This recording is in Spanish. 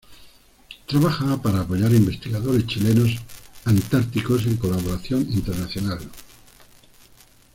Trabaja para apoyar investigadores chilenos antárticos en colaboración internacional.